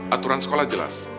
aturan sekolah jelas